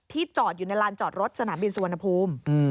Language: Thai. จอดอยู่ในลานจอดรถสนามบินสุวรรณภูมิ